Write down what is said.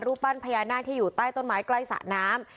ปั้นพญานาคที่อยู่ใต้ต้นไม้ใกล้สระน้ำ